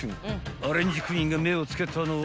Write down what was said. ［アレンジクイーンが目を付けたのは］